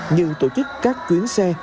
như tổ chức các quyến xe